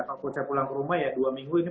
waktu saya pulang ke rumah ya dua minggu ini